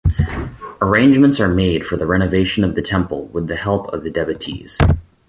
Arrangements are made for the renovation of the temple with the help of devotees.